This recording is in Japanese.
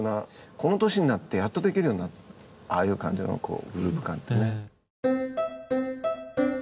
この年になってやっとできるようになるああいう感じのグルーブ感ってね。